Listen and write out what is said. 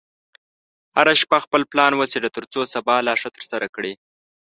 هره شپه خپل پلان وڅېړه، ترڅو سبا لا ښه ترسره کړې.